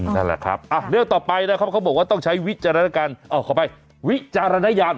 นั่นแหละครับเรื่องต่อไปนะครับเขาบอกว่าต้องใช้วิจารณญาณขอไปวิจารณญาณ